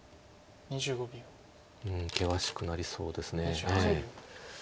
険しくなりそうです。